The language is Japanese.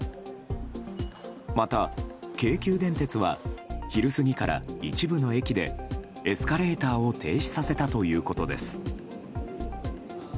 また、京急電鉄は昼過ぎから一部の駅でエスカレーターを停止させたということです。